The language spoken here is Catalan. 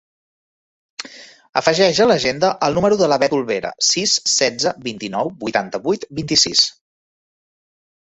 Afegeix a l'agenda el número de la Bet Olvera: sis, setze, vint-i-nou, vuitanta-vuit, vint-i-sis.